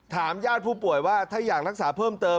ญาติผู้ป่วยว่าถ้าอยากรักษาเพิ่มเติม